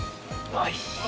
おいしい。